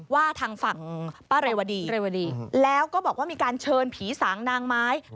ว่าทางฝั่งป้าเรวดีเรวดีแล้วก็บอกว่ามีการเชิญผีสางนางไม้